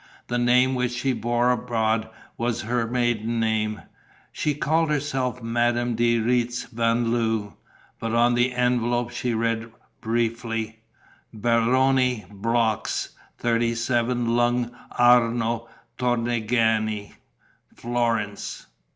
The name which she bore abroad was her maiden name; she called herself Madame de Retz van Loo. But on the envelope she read, briefly: "Baronne Brox, 37, Lung' Arno Torrigiani, Florence."